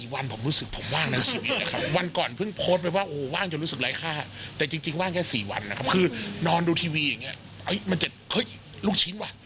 เฮ้ยลูกชิ้นว่ะ